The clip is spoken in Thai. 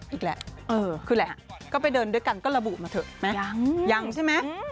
อีกแหละคืออะไรฮะก็ไปเดินด้วยกันก็ระบุมาเถอะไหมยังยังใช่ไหม